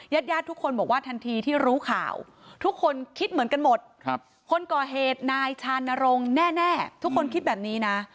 ญาติญาติทุกคนบอกว่าทันทีที่รู้ข่าวทุกคนคิดเหมือนกันหมดคนก่อเหตุนายชานรงค์แน่ทุกคนคิดแบบนี้นะ